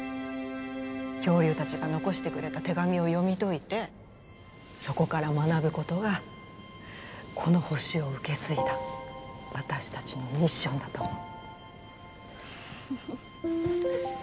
恐竜たちが残してくれた手紙を読み解いてそこから学ぶことがこの星を受け継いだ私たちのミッションだと思う。